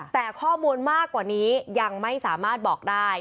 แต่ข้อมูลมากกว่านี้ยังไม่สามารถบอกได้